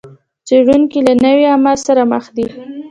څېړونکي له نوي عامل سره مخ دي.